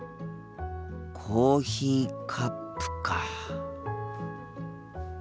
コーヒーカップか。